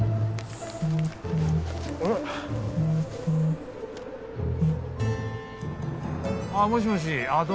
あっもしもしあっ